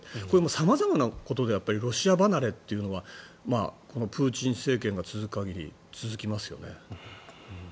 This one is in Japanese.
これはもう様々なことでロシア離れというのはプーチン政権が続く限り続きますよね。